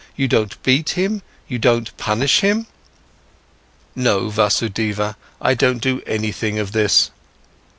You don't beat him? You don't punish him?" "No, Vasudeva, I don't do anything of this."